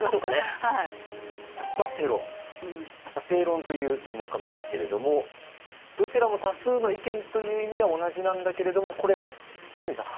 「セイロン」という専門家もいますけれどもどちらも多数の意見という意味では同じなんだけれども清水さん